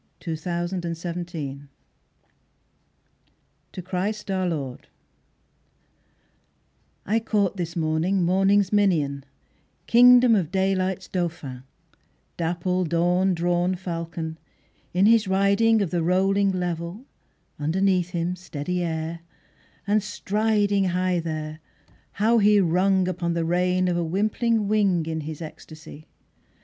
12 The Windhover: To Christ our Lord I CAUGHT this morning morning's minion, king dom of daylight's dauphin, dapple dawn drawn Fal con, in his riding Of the rolling level underneath him steady air, and striding High there, how he rung upon the rein of a wimpling wing In his ecstacy!